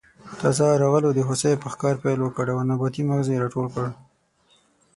تازه راغلو د هوسۍ په ښکار پیل وکړ او نباتي مغز یې راټول کړل.